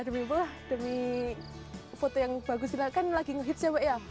demi apa demi foto yang bagus kan lagi nge hits ya mbak ya